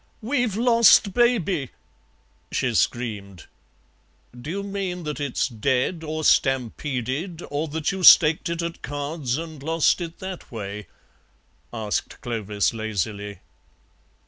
"We've lost Baby," she screamed. "Do you mean that it's dead, or stampeded, or that you staked it at cards and lost it that way?" asked Clovis lazily.